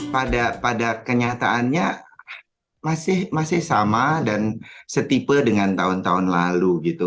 pada kenyataannya masih sama dan setipe dengan tahun tahun lalu gitu